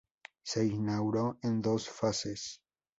Se inauguró en dos fases.